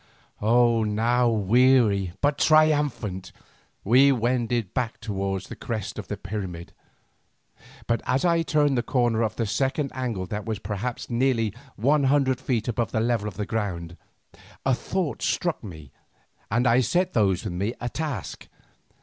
Now, weary but triumphant, we wended back towards the crest of the pyramid, but as I turned the corner of the second angle that was perhaps nearly one hundred feet above the level of the ground, a thought struck me and I set those with me at a task.